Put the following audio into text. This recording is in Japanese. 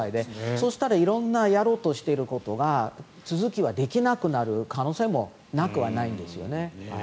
そうしたら色んな、やろうとしていることが続きができなくなる可能性もなくはないんですよね。